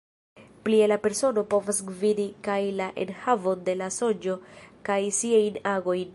Plie la persono povas gvidi kaj la enhavon de la sonĝo kaj siajn agojn.